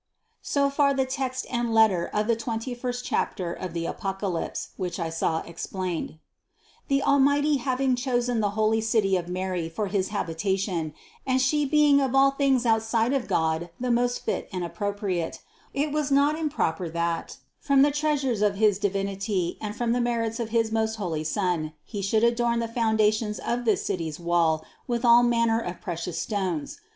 So far the text and letter of the twenty first chapter of the Apocalypse, which I saw explained. 284. The Almighty having chosen the holy city of Mary for his habitation, and She being of all things out side of God the most fit and appropriate, it was not im proper that, from the treasures of his Divinity and from: the merits of his most holy Son, He should adorn the foundations of this city's wall with all manner of pre cious stones.